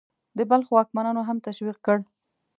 د بلخ واکمنانو هم تشویق کړ.